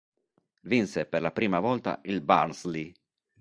Vinse per la prima volta il Barnsley.